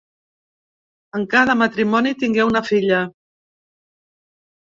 En cada matrimoni tingué una filla.